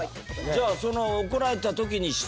じゃあその怒られた時にいたわけだ？